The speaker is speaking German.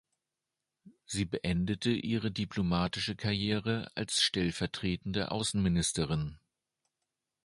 Sie beendete ihre diplomatische Karriere als stellvertretende Außenministerin.